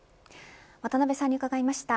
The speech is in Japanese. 渡辺さんに伺いました。